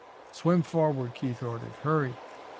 "Swim forward," Keith ordered. "Hurry!"